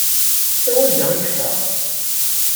Ar wanda i yeffeɣ?